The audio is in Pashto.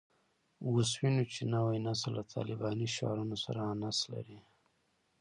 اوس وینو چې نوی نسل له طالباني شعارونو سره انس لري